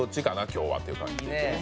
今日はっていう感じで」